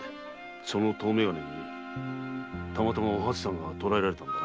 その遠眼鏡にたまたまお初さんがとらえられたのだな？